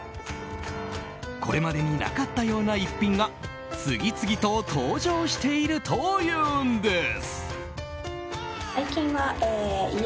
これまでになかったような一品が次々と登場しているというんです。